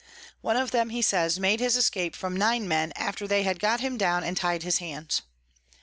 One of them, he says, made his Escape from nine Men, after they had got him down and ty'd his hands.